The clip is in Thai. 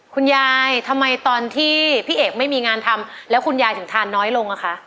ทำไมตอนที่พี่เอกไม่มีงานทำแล้วคุณยายถึงทานน้อยลงอ่ะคะ